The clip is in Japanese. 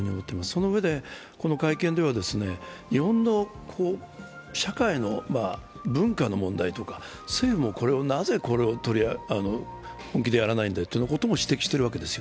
そのうえで、この会見では、日本の社会の文化の問題とか、政府もなぜこれを本気でやらないのかと指摘したんです。